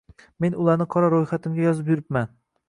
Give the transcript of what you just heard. Men ularni Qora ro`yxatimga yozib yuribman